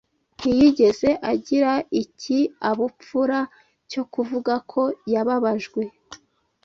Ntiyigeze agira ikiabupfura cyo kuvuga ko yababajwe.